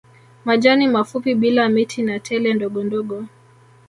Majani mafupi bila miti na tele ndogondogo